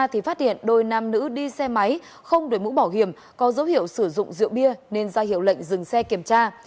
thì phát hiện đôi nam nữ đi xe máy không đổi mũ bảo hiểm có dấu hiệu sử dụng rượu bia nên ra hiệu lệnh dừng xe kiểm tra